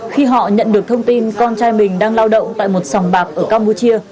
khi họ nhận được thông tin con trai mình đang lao động tại một sòng bạc ở campuchia